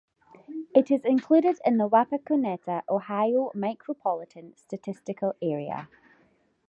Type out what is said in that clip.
It is included in the Wapakoneta, Ohio Micropolitan Statistical Area.